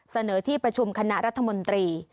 เสนอที่ประชุมคณะรัฐมนตรี